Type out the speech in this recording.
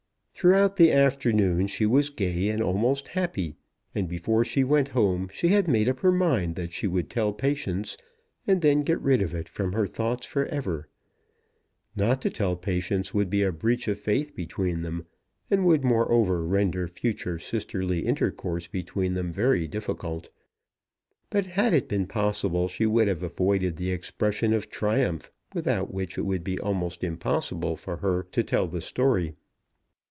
Throughout the afternoon she was gay and almost happy, and before she went home she had made up her mind that she would tell Patience, and then get rid of it from her thoughts for ever. Not to tell Patience would be a breach of faith between them, and would moreover render future sisterly intercourse between them very difficult. But had it been possible she would have avoided the expression of triumph without which it would be almost impossible for her to tell the story.